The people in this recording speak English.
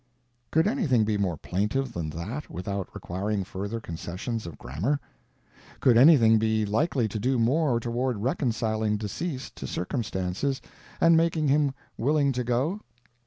Could anything be more plaintive than that, without requiring further concessions of grammar? Could anything be likely to do more toward reconciling deceased to circumstances, and making him willing to go?